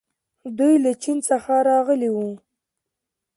دوی له چین څخه راغلي وو